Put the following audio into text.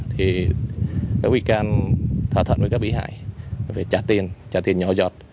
thì các bị can thỏa thuận với các bị hại phải trả tiền trả tiền nhỏ giọt